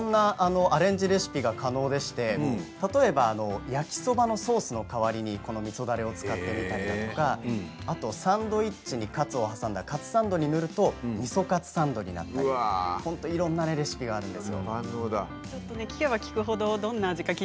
アレンジレシピが可能で例えば焼きそばのソースの代わりに、みそだれを使ったりサンドイッチにカツを挟んだカツサンドに塗るとみそカツサンドになったりいろんなレシピがあるんです。